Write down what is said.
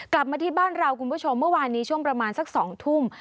กลับมาที่บ้านเราคุณผู้ชมเมื่อวานนี้ช่วงประมาณสัก๒ทุ่ม